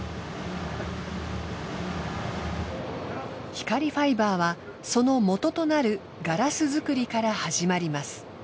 光ファイバーはその元となるガラス作りからはじまります。